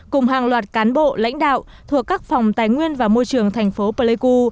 cùng hàng loạt cán bộ lãnh đạo thuộc các phòng tài nguyên và môi trường thành phố pleiku